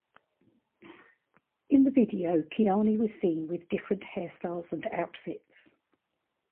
In the video, Kiani was seen with different hairstyles and outfits.